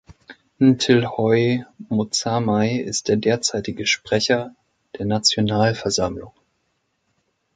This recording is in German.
Ntlhoi Motsamai ist der derzeitige Sprecher der Nationalversammlung.